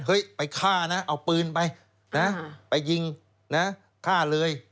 เฮ้ยไปฆ่านะเอาปืนไปไปยิงฆ่าเลย